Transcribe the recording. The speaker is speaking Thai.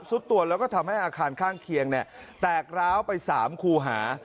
สุดตัวแล้วก็ทำให้อาคารข้างเคียงแตกร้าวไป๓คูหา